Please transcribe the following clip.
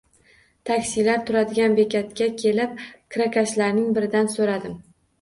Taksilar turadigan bekatga kelib, kirakashlarning biridan so`radim